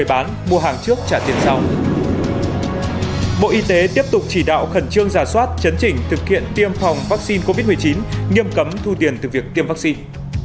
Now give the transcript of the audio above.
bộ y tế tiếp tục chỉ đạo khẩn trương giả soát chấn chỉnh thực hiện tiêm phòng vaccine covid một mươi chín nghiêm cấm thu tiền từ việc tiêm vaccine